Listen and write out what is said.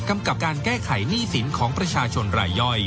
กับการแก้ไขหนี้สินของประชาชนรายย่อย